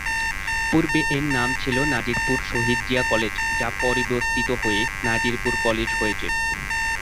পুর্বে এর নাম ছিলো নাজিরপুর শহিদ জিয়া কলেজ যা পরিবর্তিত হয়ে নাজিরপুর কলেজ হয়েছে।